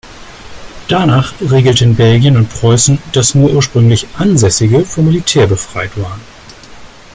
Danach regelten Belgien und Preußen, dass nur ursprünglich Ansässige vom Militär befreit waren.